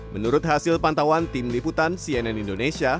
menurut hasil pantauan tim liputan cnn indonesia